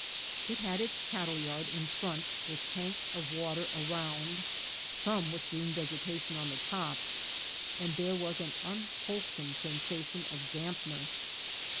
It had its cattle yard in front, with tanks of water around, some with green vegetation on the top, and there was an unwholesome sensation of dampness.